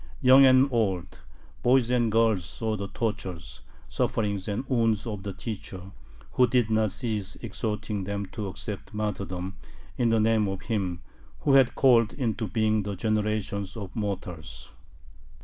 Young and old, boys and girls saw the tortures, sufferings, and wounds of the teacher, who did not cease exhorting them to accept martyrdom in the name of Him who had called into being the generations of mortals.